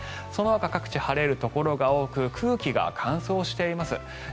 そのほか各地晴れるところが多く空気が乾燥しています。